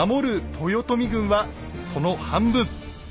豊臣軍はその半分１０万。